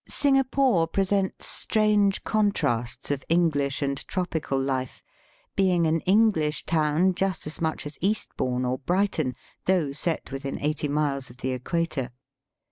Singapore presents strange contrasts of English and tropical life, being an Enghsh town just as much as Eastbourne or Brighton, though set within eighty miles of the Equator.